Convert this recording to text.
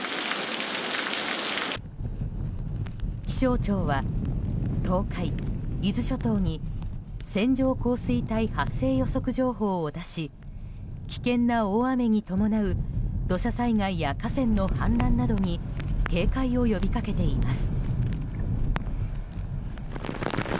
気象庁は東海、伊豆諸島に線状降水帯予測情報を出し危険な大雨に伴う土砂災害や河川の氾濫などに警戒を呼びかけています。